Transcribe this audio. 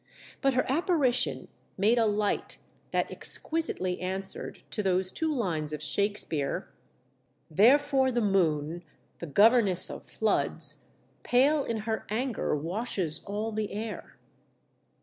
But her apparition made a light that exquisitely answered to those two lines of Shakespeare —" Therefore the moon, the governess of floods, Pale in her anger washes all the air."